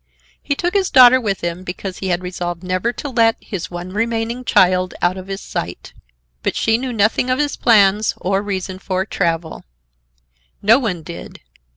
He took his daughter with him because he had resolved never to let his one remaining child out of his sight. But she knew nothing of his plans or reason for travel. No one did.